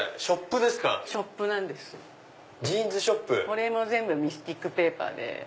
これも全部ミスティックペーパーで。